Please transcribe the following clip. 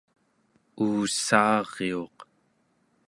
uussaariuq